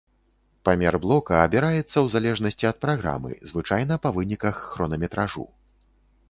Памер блока абіраецца ў залежнасці ад праграмы, звычайна па выніках хронаметражу.